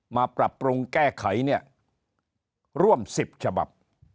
มาปรับปรุงแก้ไขเนี่ยร่วม๑๐ฉบับ